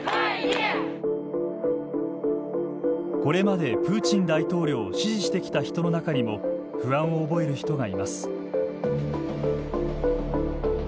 これまで、プーチン大統領を支持していた人の中にも不安を覚える人がいます。